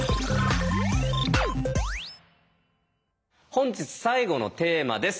本日最後のテーマです。